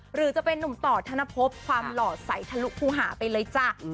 หรือจะเป็นนุ่มต่อธนภพความหล่อใสทะลุภูหาไปเลยจ้ะ